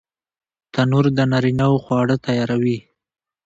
تنور د نارینه وو خواړه تیاروي